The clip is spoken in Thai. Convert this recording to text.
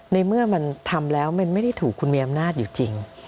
ในเมื่อมันทำแล้วมันไม่ได้ถูกคุณมีอำนาจอยู่จริง